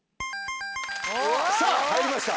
さぁ入りました。